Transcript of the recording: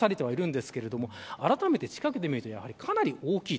あらためて近くで見るとやはりかなり大きい。